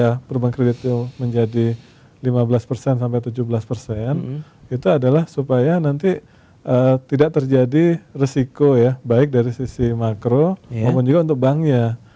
ya perubahan kredit itu menjadi lima belas persen sampai tujuh belas persen itu adalah supaya nanti tidak terjadi resiko ya baik dari sisi makro maupun juga untuk banknya